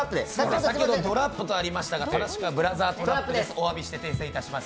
先ほどドラップとありましたが正しくは「ブラザー・トラップ」です